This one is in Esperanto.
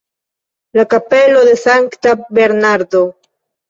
La kapelo de Sankta Bernardo.